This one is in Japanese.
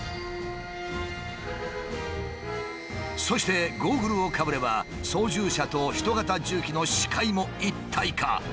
そしてゴーグルをかぶれば操縦者と人型重機の視界も一体化。